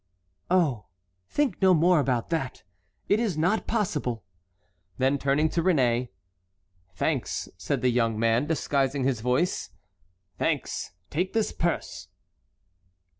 "Oh, think no more about that: it is not possible." Then turning to Réné: "Thanks," said the young man, disguising his voice, "thanks; take this purse."